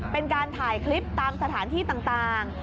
เป็นการถ่ายคลิปตามสถานที่ต่าง